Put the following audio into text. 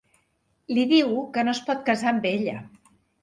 Li diu que no es pot casar amb ella.